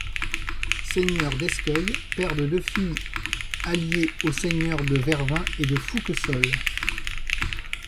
Seigneur d'Escœuilles, père de deux filles alliées aux seigneurs de Vervins et de Foucquesolles.